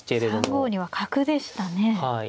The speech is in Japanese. ３五には角でしたね。